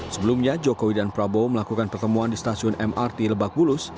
sebelumnya jokowi dan prabowo melakukan pertemuan di stasiun mrt lebak bulus